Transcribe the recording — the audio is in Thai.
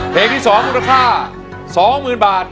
เพลงที่สองมูลค่าสองหมื่นบาท